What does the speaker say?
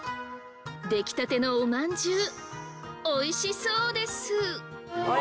出来たてのおまんじゅうおいしそうです！